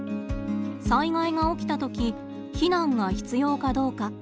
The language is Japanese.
災害が起きたとき避難が必要かどうか。